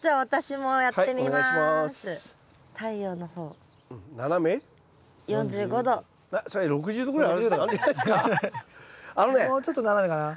もうちょっと斜めかな。